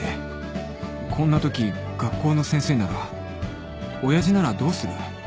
こんなとき学校の先生なら親父ならどうする？